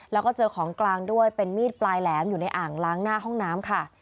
แล้วก็เจอของกลางด้วยเป็นมีดปลายแหลมอยู่ในอ่างล้างหน้าห้องน้ำค่ะ